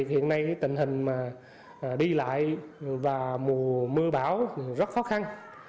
hiện nay tình hình đi lại và mùa mưa bão rất khó khăn